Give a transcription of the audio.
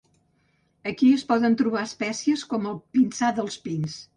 Aquí es poden trobar espècies com el pinsà dels pins.